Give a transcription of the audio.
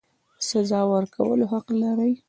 سزا ورکولو حق لري.